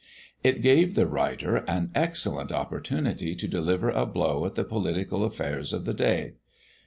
It gave the writer an excellent opportunity to deliver a blow at the political affairs of the day.